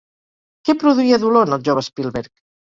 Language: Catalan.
Què produïa dolor en el jove Spielberg?